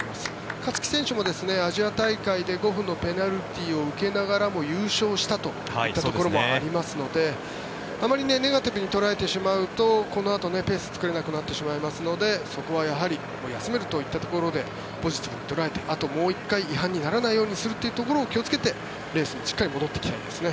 勝木選手もアジア大会で５分のペナルティーを受けながらも優勝したといったところもありますのであまりネガティブに捉えてしまうとこのあとペースを作れなくなってしまいますのでそこはやはり休めるといったところでポジティブに捉えてあともう１回違反にならないよう気をつけてレースにしっかり戻っていきたいですね。